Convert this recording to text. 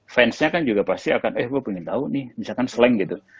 fansnya kan juga pasti akan eh gue pengen tahu nih misalkan slang gitu